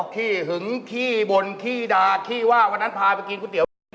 ไปกรอกแกะกับน้องเมีย